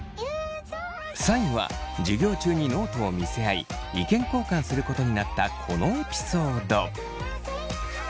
３位は授業中にノートを見せ合い意見交換することになったこのエピソード。